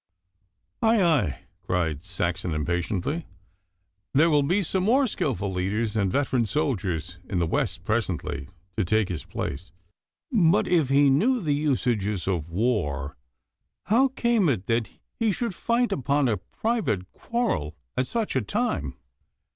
'Aye, aye,' cried Saxon impatiently, 'there will be some more skilful leaders and veteran soldiers in the West presently to take his place. But if he knew the usages of war, how came it that he should fight upon a private quarrel at such a time?